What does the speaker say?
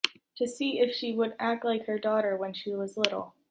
To see if she would act like her daughter when she was little